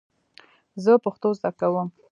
زه پښتو زده کوم